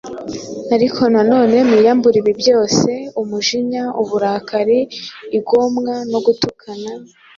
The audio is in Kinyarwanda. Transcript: Ariko none mwiyambure ibi byose, umujinya, uburakari, igomwa, no gutukana,